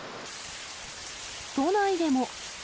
都内でも。